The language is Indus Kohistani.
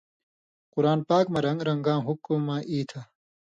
قران پاک مہ رن٘گ رن٘گاں حُکمہ ای تھہ